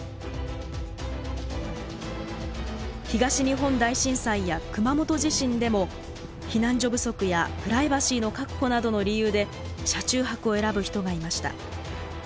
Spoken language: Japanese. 東日本大震災や熊本地震でも避難所不足やプライバシーの確保などの理由で車中泊を選ぶ人がいました。